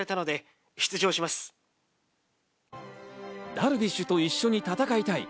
ダルビッシュと一緒に戦いたい。